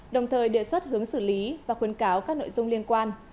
đồng thời đề xuất hướng xử lý và khuyến cáo các nội dung liên quan